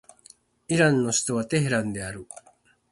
イランの首都はテヘランである